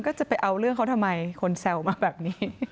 ก็จะไปเอาเรื่องเขาทำไมคนแซวมาแบบนี้